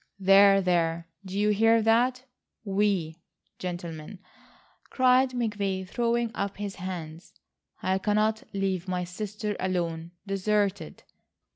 "There, there, do you hear that? 'We.' Gentlemen," cried McVay, throwing up his hands, "I cannot leave my sister alone,—deserted.